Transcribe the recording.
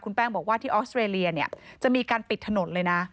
แป้งบอกว่าที่ออสเตรเลียเนี่ยจะมีการปิดถนนเลยนะ